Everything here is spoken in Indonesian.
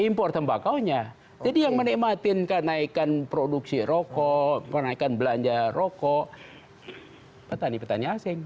impor tembakaunya jadi yang menikmati kenaikan produksi rokok kenaikan belanja rokok petani petani asing